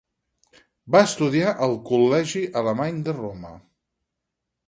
Va estudiar al Col·legi Alemany de Roma.